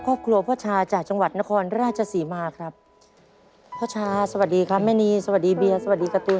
สองคนผัวมียานี้ทำงานกันสองแรงแข็งขัน